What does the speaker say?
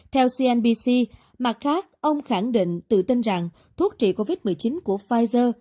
theo cnbc mặt khác ông khẳng định tự tin rằng thuốc trị covid một mươi chín của pfizer